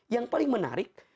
yang paling menarik